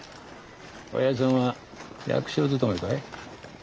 おやじさんは役所勤めかい？